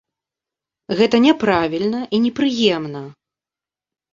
Гэта няправільна і непрыемна.